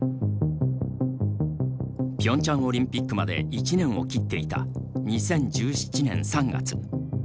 ピョンチャンオリンピックまで１年を切っていた２０１７年３月。